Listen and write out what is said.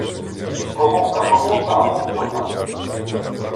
Про вовка помовка, а вовк до хати.